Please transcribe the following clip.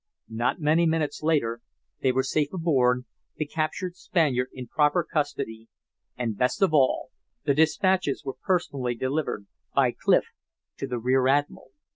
Not many minutes later they were safe aboard, the captured Spaniard in proper custody, and, best of all, the dispatches were personally delivered by Clif to the rear admiral.